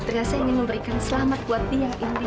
saya sangat ingin memberikan selamat buat dia ini